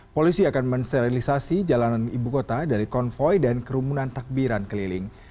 polisi akan mensterilisasi jalanan ibu kota dari konvoy dan kerumunan takbiran keliling